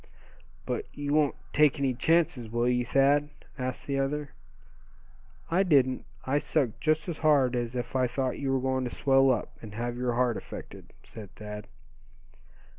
"But you won't take any chances, will you, Thad?" asked the other. "I didn't. I sucked just as hard as if I thought you were going to swell up, and have your heart affected," said Thad.